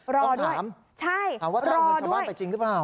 ต้องถามถามว่าได้เอาเงินชาวบ้านไปจริงหรือเปล่า